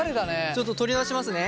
ちょっと取り出しますね。